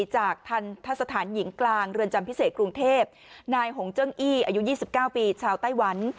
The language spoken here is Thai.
ทันทะสถานหญิงกลางเรือนจำพิเศษกรุงเทพนายหงเจิ้งอี้อายุ๒๙ปีชาวไต้หวัน